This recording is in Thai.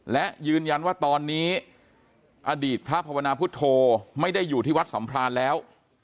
และยืนยันว่าตอนนี้อดีตพระภาวนาพุทธโธไม่ได้อยู่ที่วัดสัมพรานแล้ว